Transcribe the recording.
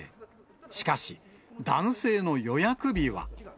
しかし、男性の予約日は。